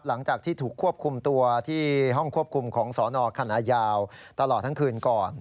หลังจากที่ถูกควบคุมตัวที่ห้องควบคุมของสนคณะยาวตลอดทั้งคืนก่อน